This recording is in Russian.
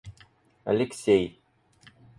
Алексей